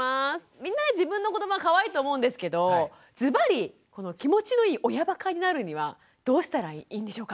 みんな自分の子どもはかわいいと思うんですけどずばり気持ちのいい親バカになるにはどうしたらいいんでしょうか？